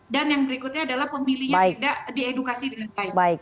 dan yang berikutnya adalah pemilihnya tidak diedukasi dengan baik